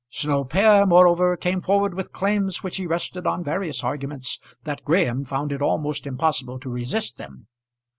Snow père, moreover, came forward with claims which he rested on various arguments, that Graham found it almost impossible to resist them.